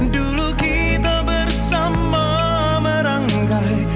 dulu kita bersama merangkai